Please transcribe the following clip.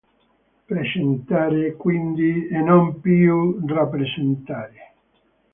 Presentare, quindi, e non più rappresentare.